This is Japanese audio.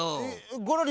ゴロリ